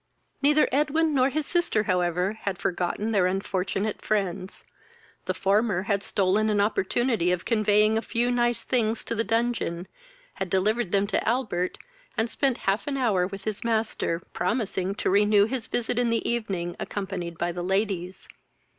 Neither Edwin nor his sister however had forgotten their unfortunate friends. The former had stolen an opportunity of conveying a few nice things to the dungeon, had delivered them to Albert, and spent half an hour with his master, promising to renew his visit in the evening, accompanied by the ladies.